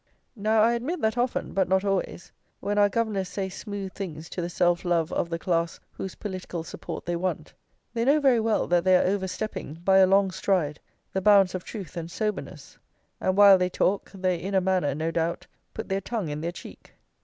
+ Now, I admit that often, but not always, when our governors say smooth things to the self love of the class whose political support they want, they know very well that they are overstepping, by a long stride, the bounds of truth and soberness; and while they talk, they in a manner, no doubt, put their tongue in their cheek.